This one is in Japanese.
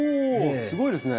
すごいですね。